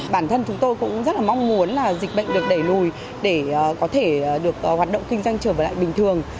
bản thân chúng tôi cũng rất là mong muốn là dịch bệnh được đẩy lùi để có thể được hoạt động kinh doanh trở lại bình thường